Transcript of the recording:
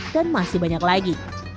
dan masih banyak lagi